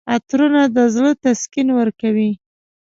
عطرونه د زړه تسکین ورکوي.